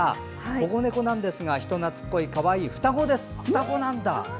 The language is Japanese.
保護猫なんですが人なつこい、かわいい双子ですと。